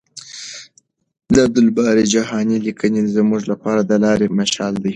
د عبدالباري جهاني لیکنې زموږ لپاره د لارې مشال دي.